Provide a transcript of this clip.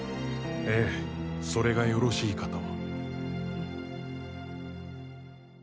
ええそれがよろしいかと。